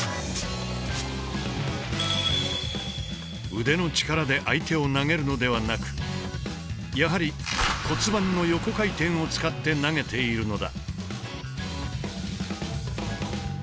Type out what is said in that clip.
腕の力で相手を投げるのではなくやはり骨盤の横回転を使って投げているのだ。